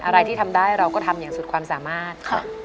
อะไรที่ทำได้เราก็ทำอย่างสุดความสามารถ